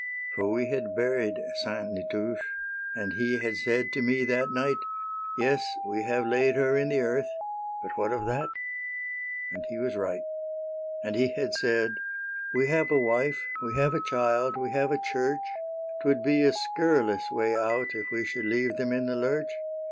For we had buried Sainte Nitouche, And he had said to me that night :" Yes, we have laid her in the earth. But what of that ?" And he was right. And he had said :" We have a wife, We have a child, we have a church; SAINTE NITOUCHE 15 x *T would be a scurrilous way out If we should leave them in the lurch.